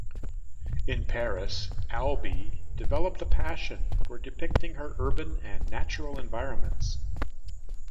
In Paris, Albee developed a passion for depicting her urban and natural environments.